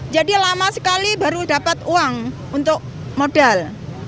jadi lama sekali baru dapat uang untuk modal